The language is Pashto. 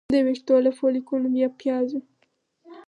د ویښتو له فولیکونو یا پیازو